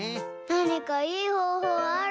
なにかいいほうほうある？